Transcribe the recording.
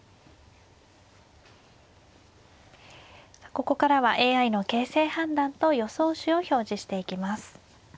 ここからはＡＩの形勢判断と予想手を表示していきます。